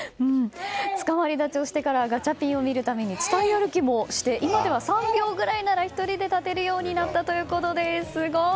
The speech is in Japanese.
つかまり立ちをしてからガチャピンを見るために伝い歩きもして今では３秒ぐらいなら１人で立てるようになったということです。